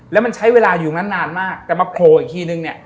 แล้วมันใช้เวลาอยู่นานมากแต่มาโผล่อีกทีนึงเนี่ย